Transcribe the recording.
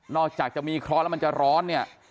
จากจะมีเคราะห์แล้วมันจะร้อนเนี่ย